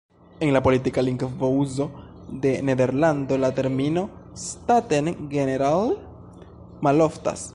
En la politika lingvouzo de Nederlando la termino „"Staten-Generaal"“ maloftas.